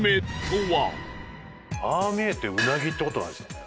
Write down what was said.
ああ見えてうなぎって事ないですかね？